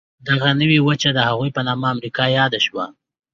دغه نوې وچه د هغه په نامه امریکا یاده شوه.